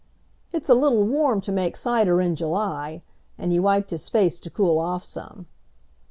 "It's a little warm to make cider in July," and he wiped his face to cool off some.